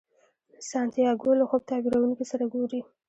سانتیاګو له خوب تعبیرونکي سره ګوري.